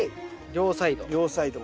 両サイド。